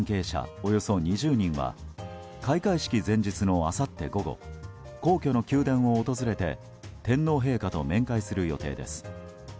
およそ２０人は開会式前日のあさって午後皇居の宮殿を訪れて天皇陛下と面会する予定です。